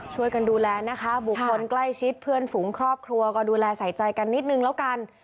ช่วยกันดูแลนะคะบุคคลใกล้ชิดเพื่อนฝูงครอบครัวก็ดูแลใส่ใจกันนิดนึงแล้วกัน